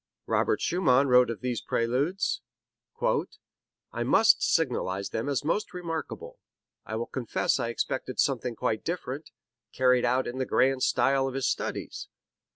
Robert Schumann wrote of these Preludes: "I must signalize them as most remarkable. I will confess I expected something quite different, carried out in the grand style of his studies.